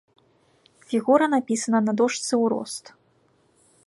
Фігура напісана на дошцы ў рост.